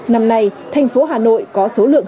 năm nay thành phố hà nội có số lượng